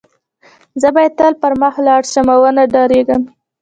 زه باید تل پر مخ ولاړ شم او و نه درېږم